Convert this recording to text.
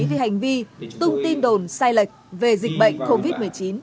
vì hành vi tung tin đồn sai lệch về dịch bệnh covid một mươi chín